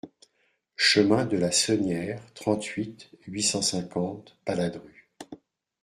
Chemin de la Sonnière, trente-huit, huit cent cinquante Paladru